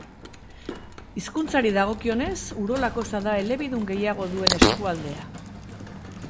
Hizkuntzari dagokionez, Urola Kosta da elebidun gehiago duen eskualdea.